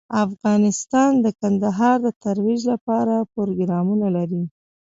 افغانستان د کندهار د ترویج لپاره پروګرامونه لري.